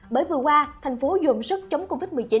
bởi vừa qua thành phố dồn sức chống covid một mươi chín